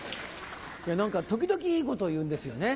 何か時々いいことを言うんですよね。